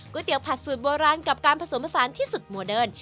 เตี๋ยผัดสูตรโบราณกับการผสมผสานที่สุดโมเดิร์น